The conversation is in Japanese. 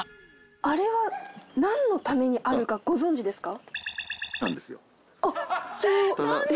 あれは何のためにあるかご存じですか？